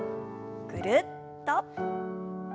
ぐるっと。